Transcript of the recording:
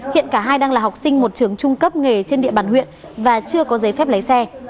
hiện cả hai đang là học sinh một trường trung cấp nghề trên địa bàn huyện và chưa có giấy phép lấy xe